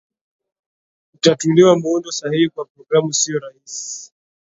kutatuliwa muundo sahihi kwa programu siyo rahisi